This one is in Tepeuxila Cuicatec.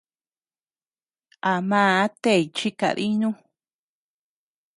A maa tey chi kadinuu.